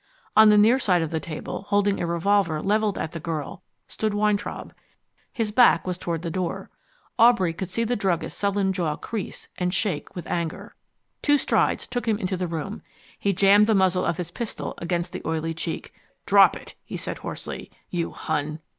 On the near side of the table, holding a revolver levelled at the girl, stood Weintraub. His back was toward the door. Aubrey could see the druggist's sullen jaw crease and shake with anger. Two strides took him into the room. He jammed the muzzle of his pistol against the oily cheek. "Drop it!" he said hoarsely. "You Hun!"